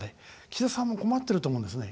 岸田さんも困ってると思うんですね。